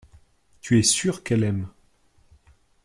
Tu es sûr qu’elle aime.